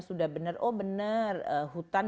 sudah benar oh benar hutan